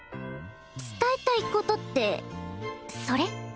伝えたいことってそれ？